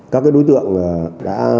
các đối tượng đã